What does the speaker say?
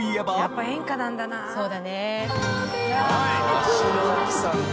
八代亜紀さんか。